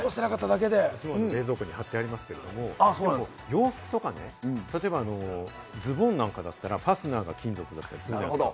冷蔵庫に貼ってあります、洋服とかね、ズボンなんかだったらファスナーが金属だったりするじゃないですか。